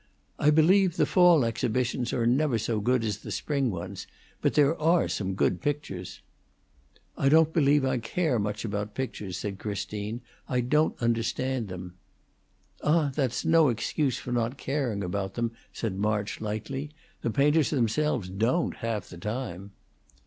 "I believe the fall exhibitions are never so good as the spring ones. But there are some good pictures." "I don't believe I care much about pictures," said Christine. "I don't understand them." "Ah, that's no excuse for not caring about them," said March, lightly. "The painters themselves don't, half the time."